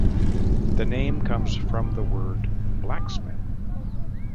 The name comes from the word "blacksmith".